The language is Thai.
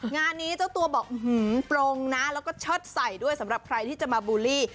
งานนี้เจ้าตัวบอกโปรงนะแล้วก็เชิดใส่ด้วยสำหรับใครที่จะมาบูลลี่